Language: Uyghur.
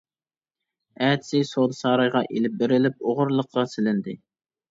ئەتىسى سودا سارايغا ئېلىپ بېرىلىپ ئوغرىلىققا سېلىندى.